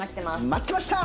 待ってました！